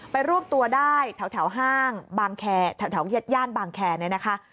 รวบตัวได้แถวห้างบางแคร์แถวย่านบางแคร์เนี่ยนะคะ